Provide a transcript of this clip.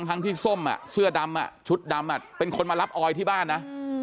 ทั้งที่ส้มเสื้อดำชุดดำเป็นคนมารับออยที่บ้านนะ